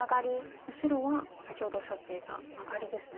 白は先ほどおっしゃっていたマガリですね。